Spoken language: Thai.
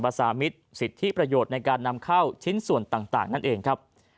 สามิตรสิทธิประโยชน์ในการนำเข้าชิ้นส่วนต่างนั่นเองครับ